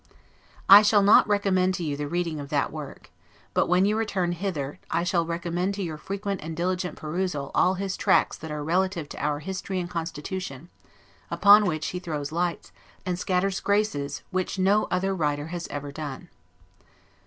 I shall not recommend to you the reading of that work; but, when you return hither, I shall recommend to your frequent and diligent perusal all his tracts that are relative to our history and constitution; upon which he throws lights, and scatters graces, which no other writer has ever done.